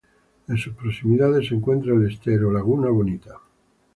En sus proximidades se encuentra el estero Laguna Bonita.